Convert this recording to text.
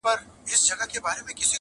ته به پر ګرځې د وطن هره کوڅه به ستاوي؛